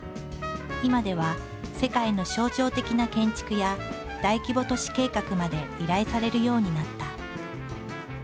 今では世界の象徴的な建築や大規模都市計画まで依頼されるようになった。